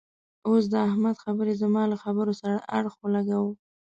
اوس د احمد خبرې زما له خبرې سره اړخ و لګاوو.